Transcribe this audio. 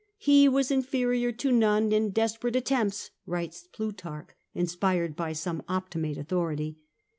He was inferior to none in desperate attempts/' writes Plutarch, inspired by some Optimate authority.